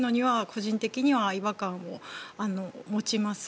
個人的には違和感を持ちます。